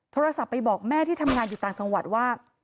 โทรศัพท์ไปบอกแม่ที่ทำงานอยู่ต่างจังหวัดว่า